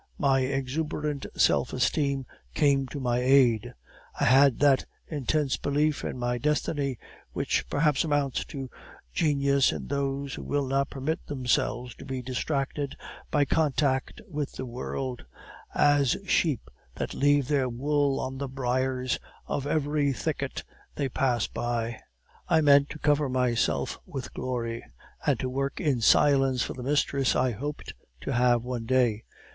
My exuberant self esteem came to my aid; I had that intense belief in my destiny, which perhaps amounts to genius in those who will not permit themselves to be distracted by contact with the world, as sheep that leave their wool on the briars of every thicket they pass by. I meant to cover myself with glory, and to work in silence for the mistress I hoped to have one day.